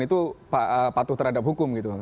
itu patuh terhadap hukum gitu